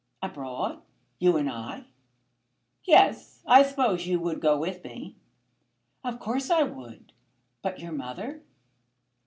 "Abroad! You and I?" "Yes. I suppose you would go with me?" "Of course I would. But your mother?"